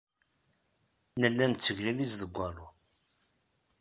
Nella nettegliliz deg waluḍ.